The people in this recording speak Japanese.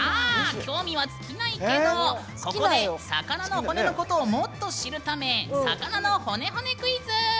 興味は尽きないけど魚の骨のことをもっと知るため魚の骨骨クイズ！